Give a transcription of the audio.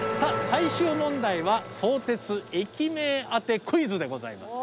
最終問題は相鉄駅名あてクイズでございます。